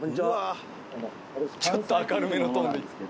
ちょっと明るめのトーンで。